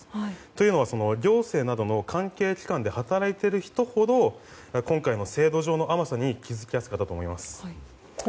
というのは、行政などの関係機関で働いている人ほど今回の制度上の甘さに気づきやすかったと思います。